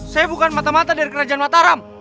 saya bukan mata mata dari kerajaan mataram